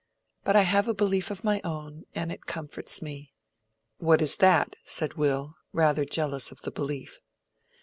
But I have a belief of my own, and it comforts me." "What is that?" said Will, rather jealous of the belief.